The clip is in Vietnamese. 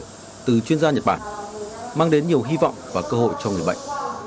từ chuyên gia nhật bản mang đến nhiều hy vọng và cơ hội cho người bệnh